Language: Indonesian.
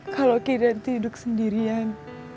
kalau kinanti hidup sendirian